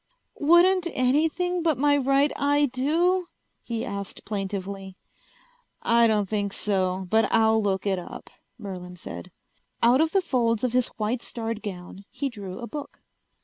"Wouldn't anything but my right eye do?" he asked plaintively. "I don't think so, but I'll look it up," Merlin said. Out of the folds of his white starred gown he drew a book.